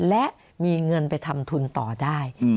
และมีเงินไปทำทุนต่อได้